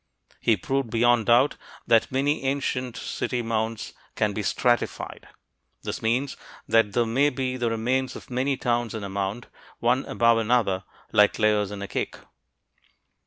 He proved beyond doubt that many ancient city mounds can be stratified. This means that there may be the remains of many towns in a mound, one above another, like layers in a cake.